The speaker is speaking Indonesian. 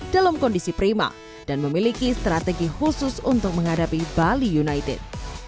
dalam kondisi prima dan memiliki strategi khusus untuk menghadapi bali united